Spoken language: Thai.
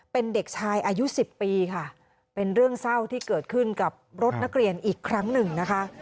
เป็นเด็กชายอายุ๑๐ปีค่ะเป็นเรื่องเศร้าที่เกิดขึ้นกับรถนักเรียนอีกครั้งหนึ่งนะคะ